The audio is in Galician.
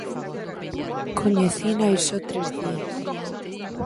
Coñecina hai só tres días.